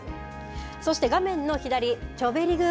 そして画面の左、チョベリグ！